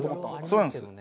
そうなんです。